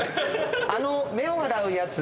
あの目を洗うやつ